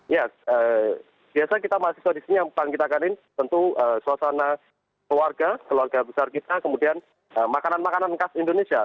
ya biasa kita mahasiswa di sini yang paling kita kanin tentu suasana keluarga keluarga besar kita kemudian makanan makanan khas indonesia